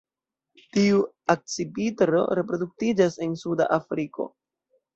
Tiu akcipitro reproduktiĝas en suda Afriko.